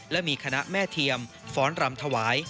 และมีคณะแม่เทียมฟ้อนรำถวาย